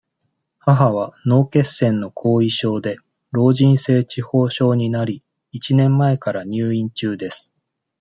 母は、脳血栓の後遺症で、老人性痴呆症になり、一年前から入院中です。